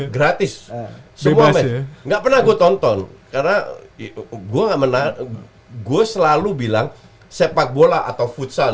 gratis semua nggak pernah gue tonton karena itu gua nggak menang gue selalu bilang sepak bola atau futsal